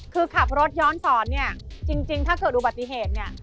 คือขับรถย้อนสอนเนี่ยจริงถ้าเกิดอุบัติเหตุเนี่ย